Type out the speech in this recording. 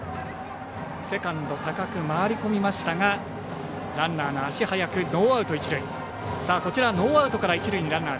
セカンド、高久回り込みましたがランナーが足速くノーアウトから一塁にランナー。